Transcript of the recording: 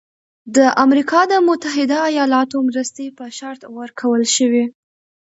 د امریکا د متحده ایالاتو مرستې په شرط ورکول شوی.